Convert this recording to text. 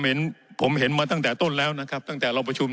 เห็นผมเห็นมาตั้งแต่ต้นแล้วนะครับตั้งแต่เราประชุม